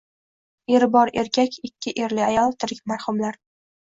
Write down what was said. Eri bor erkak, ikki erli ayol, tirik marhumlar